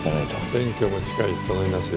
選挙も近い頼みますよ。